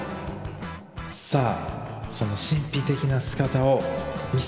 さあその神秘的な姿を見せておくれ！